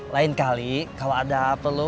lain kali kalau ada perlu